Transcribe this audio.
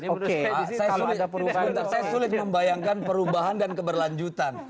oke saya sulit membayangkan perubahan dan keberlanjutan